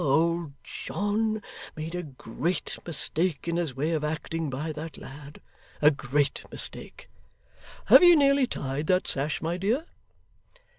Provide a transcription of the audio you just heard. Ah! old John made a great mistake in his way of acting by that lad a great mistake. Have you nearly tied that sash, my dear?